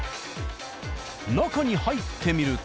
中に入ってみると。